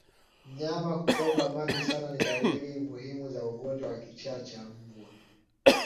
Mnyama kutokwa mate sana ni dalili muhimu za ugonjwa wa kichaa cha mbwa